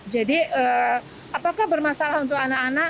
jadi apakah bermasalah untuk anak anak